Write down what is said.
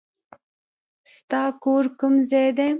ستا کور کوم ځای دی؟